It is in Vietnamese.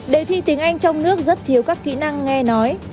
đề thi tiếng anh trong nước rất thiếu các kỹ năng nghe nói